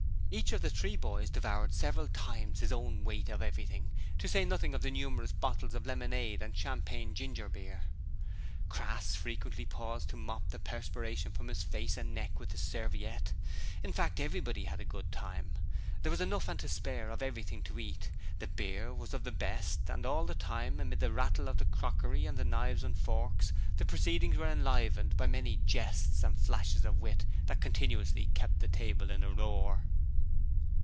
Each of the three boys devoured several times his own weight of everything, to say nothing of numerous bottles of lemonade and champagne ginger beer. Crass frequently paused to mop the perspiration from his face and neck with his serviette. In fact everybody had a good time. There was enough and to spare of everything to eat, the beer was of the best, and all the time, amid the rattle of the crockery and the knives and forks, the proceedings were enlivened by many jests and flashes of wit that continuously kept the table in a roar.